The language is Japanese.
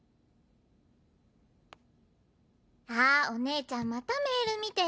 あっお姉ちゃんまたメール見てる。